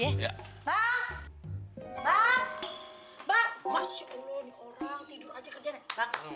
masya allah nih orang